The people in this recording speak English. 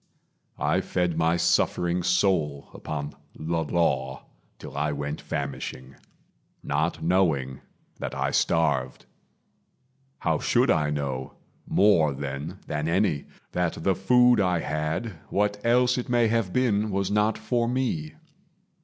I fed my suffering soul Upon the Law till I went famishing, Not knowing that I starved. How should I know, More then than any, that the food I had What else it may have been was not for me?